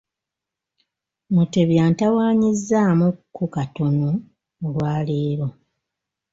Mutebi antawaanyizzaamukko katono olwaleero.